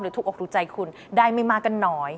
หรือถูกออกรู้ใจคุณได้ไม่มากันหน่อย